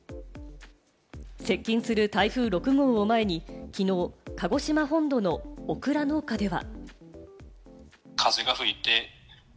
接近する台風６号を前に、きのう、鹿児島本土のオクラ農家では。